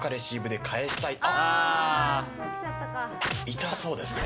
痛そうですね。